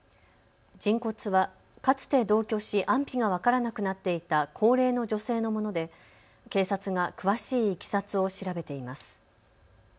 人骨はかつて同居し、安否が分からなくなっていた高齢の女性のもので、警察が詳しいいきさつを調べています。